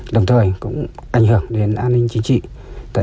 đồng thời cũng ảnh hưởng đến an ninh chính trị